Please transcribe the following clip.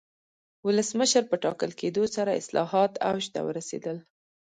ولسمشر په ټاکل کېدو سره اصلاحات اوج ته ورسېدل.